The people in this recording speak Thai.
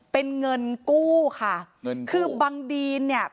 เป็นเงินกู้ค่ะเงินกู้คือบังดีนเนี่ย